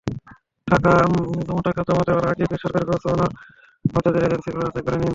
টাকা জমাটাকা জমা দেওয়ার আগে বেসরকারি ব্যবস্থাপনার হজযাত্রীরা এজেন্সিগুলো যাচাই করে নিন।